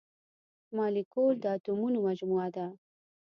مالیکول د اتومونو مجموعه ده.